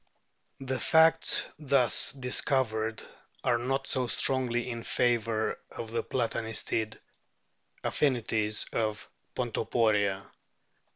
The facts thus dis covered are not so strongly in favour of the Plata nistid affinities of Pontoporia.